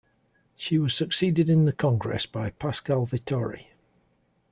She was succeeded in the Congress by Pascal Vittori.